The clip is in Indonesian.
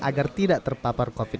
agar tidak terpapar covid sembilan belas